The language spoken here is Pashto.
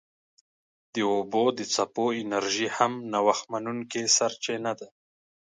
د اوبو د څپو انرژي هم نوښت منونکې سرچینه ده.